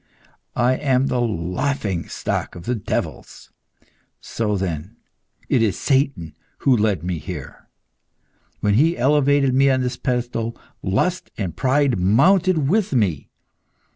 I am the laughing stock of the devils. So, then, it is Satan who led me here. When he elevated me on this pedestal, lust and pride mounted with me.